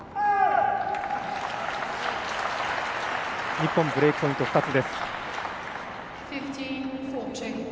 日本、ブレークポイント２つ。